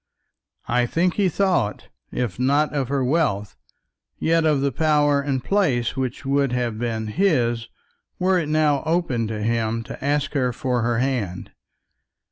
I think he thought, if not of her wealth, yet of the power and place which would have been his were it now open to him to ask her for her hand.